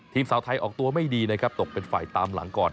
สาวไทยออกตัวไม่ดีนะครับตกเป็นฝ่ายตามหลังก่อน